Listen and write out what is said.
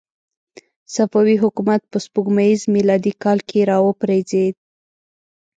صفوي حکومت په سپوږمیز میلادي کال کې را وپرځېد.